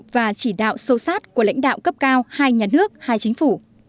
và chỉ đạo sâu sát của lãnh đạo cấp cao hai nhà nước hai chính phủ